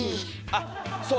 あっそう